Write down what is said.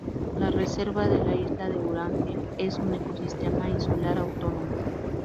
La Reserva de la isla de Wrangel es un ecosistema insular autónomo.